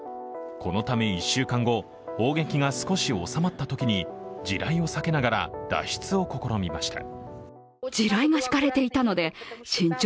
このため１週間後、砲撃が少し収まったときに地雷を避けながら脱出を試みました。